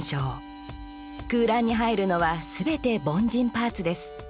空欄に入るのは全て凡人パーツです。